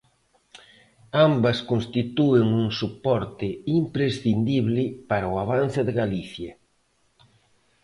Ambas constitúen un soporte imprescindible para o avance de Galicia.